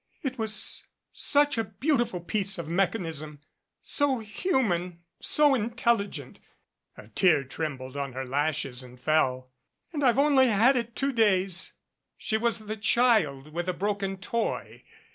"It was such a beautiful piece of mechanism so hu man so intelligent " a tear trembled on her lashes and fell "and I've only had it two days." She was the child with a broken toy.